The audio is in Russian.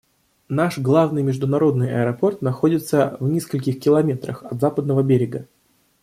Наш главный международный аэропорт находится в нескольких километрах от Западного берега.